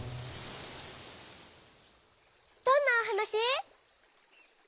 どんなおはなし？